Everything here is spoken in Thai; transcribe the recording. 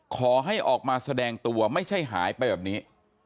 ขอให้ออกมาแสดงตัวไม่ใช่หายไปแบบนี้